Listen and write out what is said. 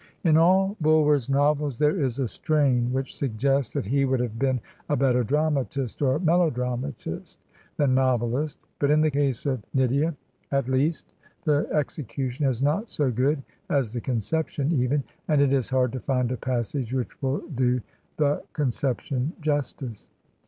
In all Bulwer's novels there is a strain which suggests that he would have been a better dramatist, or melodramatist, than novelist. But i& the case of Nydia, 121 Digitized by VjOOQIC HEROINES OF FICTION at least, the execution is not so good as the conception, even, and it is hard to find a passage which will do the conception justice.